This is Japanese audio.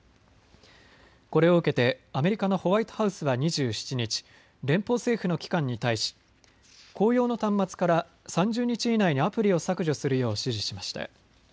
これを受けてアメリカのホワイトハウスは２７日、連邦政府の機関に対し公用の端末から３０日以内にアプリを削除するよう指示しました。